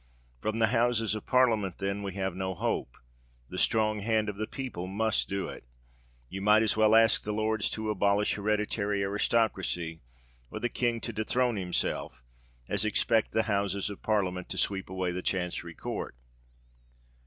From the Houses of Parliament, then, we have no hope: the strong hand of the people must do it. You might as well ask the Lords to abolish hereditary aristocracy, or the King to dethrone himself, as expect the Houses of Parliament to sweep away the Chancery Court."